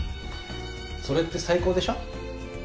それって最高でしょ。